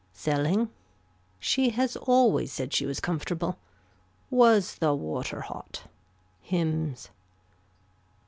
Selling. She has always said she was comfortable. Was the water hot. Hymns.